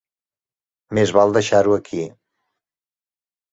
Més val deixar-ho aquí.